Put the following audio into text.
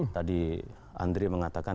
tadi andri mengatakan